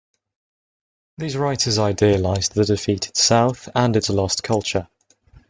These writers idealized the defeated South and its lost culture.